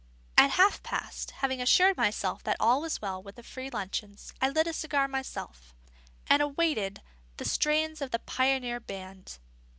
At half past, having assured myself that all was well with the free luncheons, I lit a cigar myself, and awaited the strains of the "Pioneer Band."